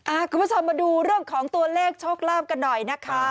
คุณผู้ชมมาดูเรื่องของตัวเลขโชคลาภกันหน่อยนะคะ